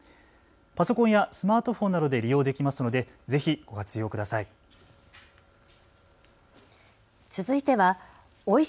パソコンやスマートフォンなどで利用できますのでぜひご活用ください。